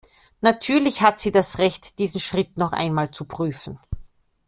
Natürlich hat sie das Recht, diesen Schritt noch einmal zu prüfen.